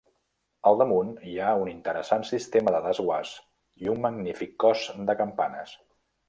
Al damunt hi ha un interessant sistema de desguàs i un magnífic cos de campanes.